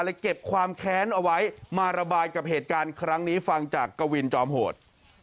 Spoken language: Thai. เก็บความแค้นเอาไว้มาระบายกับเหตุการณ์ครั้งนี้ฟังจากกวินจอมโหด